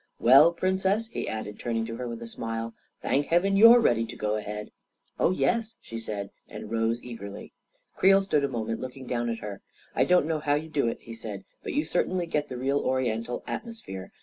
Well, Princess," he added, turning to her with a smile, " thank heaven yotfre ready to go ahead!" " Oh, yes," she said, and rose eagerly. Creel stood a moment looking down at her. " I don't know how you do it," he said, " but you certainly get the real Oriental atmosphere.